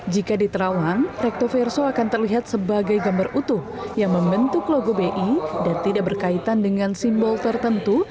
jika diterawan rectoverso akan terlihat sebagai gambar utuh yang membentuk logo bi dan tidak berkaitan dengan simbol tertentu